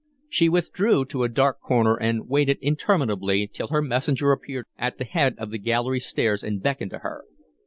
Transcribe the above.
She withdrew to a dark corner and waited interminably till her messenger appeared at the head of the gallery stairs and beckoned to her.